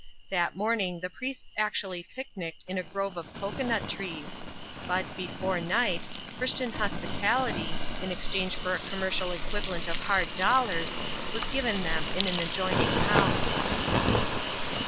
That morning the priests actually pickni* a grove of cocoa nut trees ; but, before night, Christij pitality — in exchange for a commercial equivalent o dollars — was given them in an adjoining house.